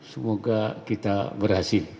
semoga kita berhasil